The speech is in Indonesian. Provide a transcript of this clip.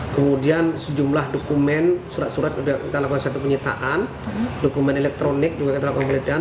kemudian sejumlah dokumen surat surat sudah kita lakukan satu penyitaan dokumen elektronik juga kita lakukan penelitian